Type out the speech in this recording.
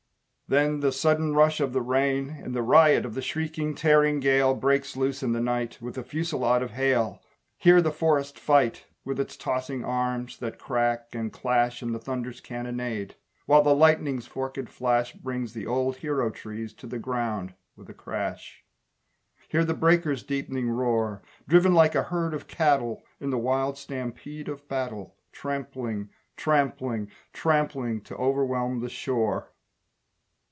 Then the sudden rush Of the rain, and the riot Of the shrieking, tearing gale Breaks loose in the night, With a fusillade of hail! Hear the forest fight, With its tossing arms that crack and clash In the thunder's cannonade, While the lightning's forkèd flash Brings the old hero trees to the ground with a crash! Hear the breakers' deepening roar, Driven like a herd of cattle In the wild stampede of battle, Trampling, trampling, trampling, to overwhelm the shore.